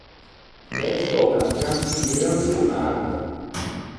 L’é restou unna sgranfigneua in sciô marmao.